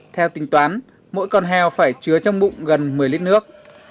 theo tính toán mỗi con heo phải chứa trong bụng gần một mươi lít nước